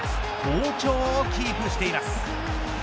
好調をキープしています。